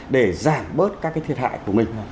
để giảm bớt các cái thiệt hại của mình